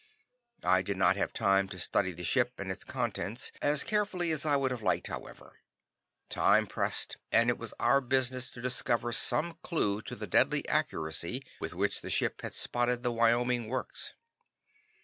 I did not have time to study the ship and its contents as carefully as I would have liked, however. Time pressed, and it was our business to discover some clue to the deadly accuracy with which the ship had spotted the Wyoming Works.